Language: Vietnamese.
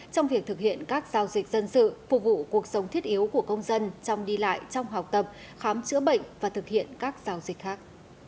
trong việc thực hiện các giao dịch dân sự phục vụ cuộc sống thiết yếu của công dân trong đi lại trong học tập khám chữa bệnh và thực hiện các giao dịch khác